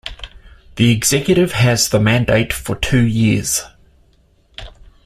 The executive has the mandate for two years.